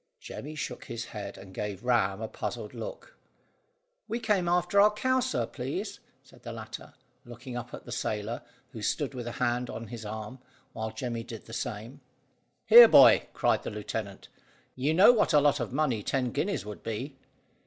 Jemmy shook his head, and gave Ram a puzzled look. "We came after our cow, sir, please," said the latter, looking up at the sailor, who stood with a hand upon his arm, while Jemmy did the same. "Here, boy!" cried the lieutenant. "You know what a lot of money ten guineas would be?"